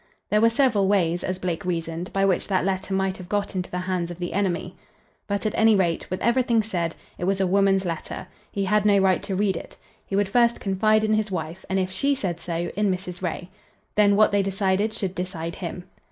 There were several ways, as Blake reasoned, by which that letter might have got into the hands of the enemy. But at any rate, with everything said, it was a woman's letter. He had no right to read it. He would first confide in his wife, and, if she said so, in Mrs. Ray. Then what they decided should decide him.